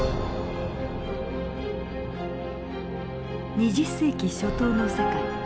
２０世紀初頭の世界。